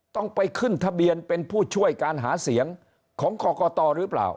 ต้องไปขึ้นทะเบียนเป็นผู้ช่วยการหาเสียงของกรกตหรือเปล่า